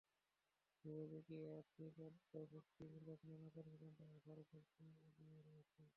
Mobile ব্যাংকিংসহ আর্থিক অন্তর্ভুক্তিমূলক নানা কর্মকাণ্ডে আমরা ভারতের চেয়ে এগিয়ে রয়েছি।